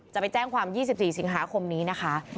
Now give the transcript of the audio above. จะไปแจ้งความ๒๔สิงหาคมนี้นะคะ